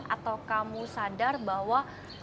atau kamu sadar bahwa